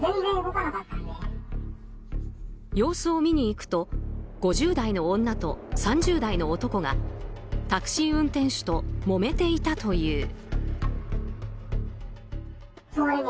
様子を見に行くと５０代の女と３０代の男がタクシー運転手ともめていたという。